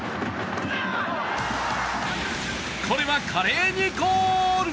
これは華麗にゴール。